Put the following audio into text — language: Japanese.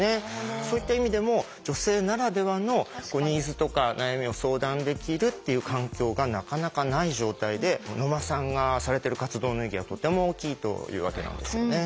そういった意味でも女性ならではのニーズとか悩みを相談できるっていう環境がなかなかない状態で野間さんがされてる活動の意義はとても大きいというわけなんですよね。